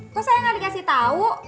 kok saya gak dikasih tahu